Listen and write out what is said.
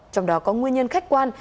trong đó có nguyên nhân khách quan